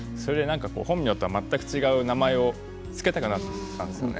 本名とは全く違う名前を付けたくなったんですよね。